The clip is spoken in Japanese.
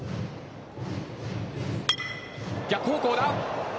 逆方向だ。